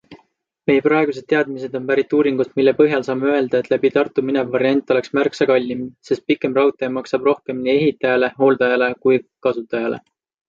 Meie praegused teadmised on pärit uuringust, mille põhjal saame öelda, et läbi Tartu minev variant oleks märksa kallim, sest pikem raudtee maksab rohkem nii ehitajale, hooldajale kui kasutajale.